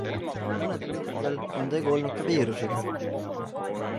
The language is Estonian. Mõnedel juhtudel on tegu olnud ka viirusega.